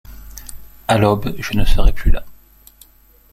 À l’aube je ne serai plus là.